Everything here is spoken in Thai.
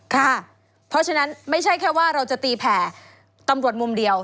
ค่ะเพราะฉะนั้นไม่ใช่แค่ว่าเราจะตีแผ่ตำรวจมุมเดียว